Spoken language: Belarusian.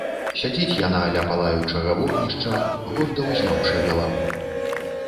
Сядзіць яна ля палаючага вогнішча, горда ўзняўшы галаву.